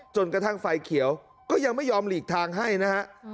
จนกระทั่งไฟเขียวก็ยังไม่ยอมหลีกทางให้นะฮะ